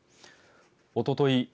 おととい